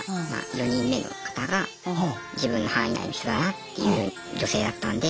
４人目の方が自分の範囲内の人だなっていう女性だったんで。